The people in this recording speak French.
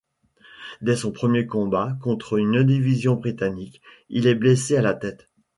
Dès son premier combat contre une division britannique, il est blessé à la tête.